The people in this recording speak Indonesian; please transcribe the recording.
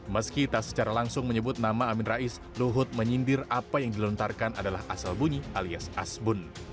meski tak secara langsung menyebut nama amin rais luhut menyindir apa yang dilontarkan adalah asal bunyi alias asbun